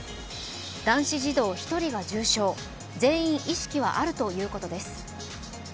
男子児童１人が重症、全員意識はあるということです。